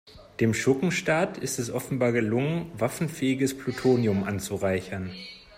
Dem Schurkenstaat ist es offenbar gelungen, waffenfähiges Plutonium anzureichern.